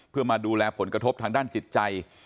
เพื่อมาดูแลผลกระทบทางด้านจิตใจ